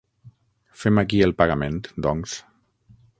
Fem aquí el pagament, doncs.